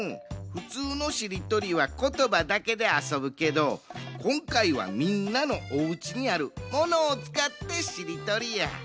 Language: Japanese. ふつうのしりとりはことばだけであそぶけどこんかいはみんなのおうちにある「モノ」をつかってしりとりや。